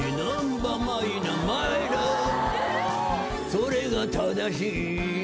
「それが正しい」